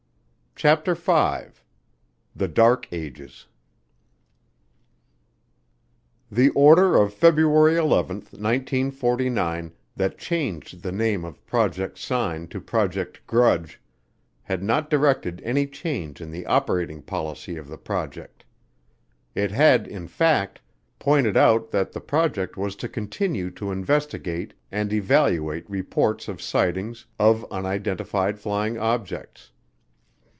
CHAPTER FIVE The Dark Ages The order of February 11, 1949, that changed the name of Project Sign to Project Grudge had not directed any change in the operating policy of the project. It had, in fact, pointed out that the project was to continue to investigate and evaluate reports of sightings of unidentified flying objects.